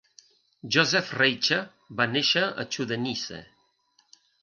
Josef Reicha va néixer a Chudenice.